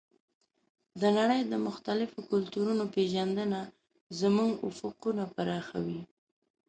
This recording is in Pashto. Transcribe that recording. د نړۍ د مختلفو کلتورونو پېژندنه زموږ افقونه پراخوي.